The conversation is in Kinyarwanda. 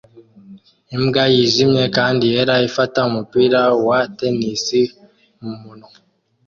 Imbwa yijimye kandi yera ifata umupira wa tennis mumunwa